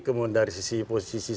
kemudian dari sisi posisi